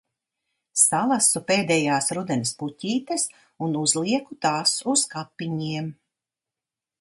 Salasu pēdējās rudens puķītes un uzlieku tās uz kapiņiem.